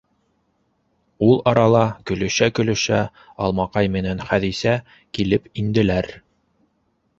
Ул арала көлөшә-көлөшә Алмаҡай менән Хәҙисә килеп инделәр.